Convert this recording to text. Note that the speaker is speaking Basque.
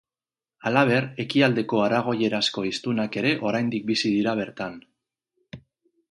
Halaber, ekialdeko aragoierazko hiztunak ere oraindik bizi dira bertan.